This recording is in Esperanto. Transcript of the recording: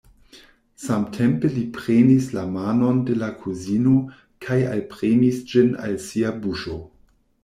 Samtempe li prenis la manon de la kuzino kaj alpremis ĝin al sia buŝo.